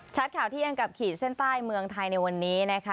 ข่าวเที่ยงกับขีดเส้นใต้เมืองไทยในวันนี้นะคะ